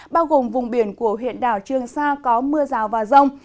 bao gồm vùng biển của huyện đảo trương sa có mưa rào và rông